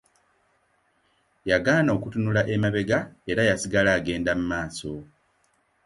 Yagaana okutunula emabega era yasigala agenda mu maaso.